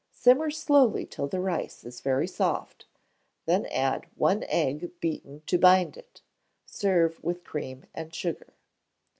Simmer slowly till the rice is very soft, then add one egg beaten to bind it: serve with cream and sugar.